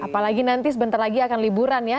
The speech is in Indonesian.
apalagi nanti sebentar lagi akan liburan ya